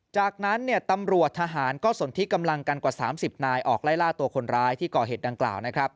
จากนั้นตำรวจทหารก็สนที่กำลังกันกว่า๓๐นายออกไล่ล่าตัวคนร้ายที่ก่อเหตุดังกล่าว